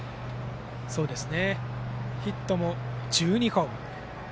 ヒットも１２本。